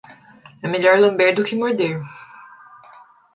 É melhor lamber do que morder.